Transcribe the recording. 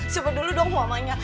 coba dulu dong mamanya